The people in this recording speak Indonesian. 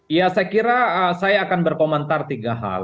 ya saya kira saya akan berkomentar tiga hal